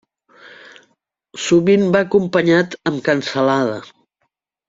Sovint va acompanyat amb cansalada.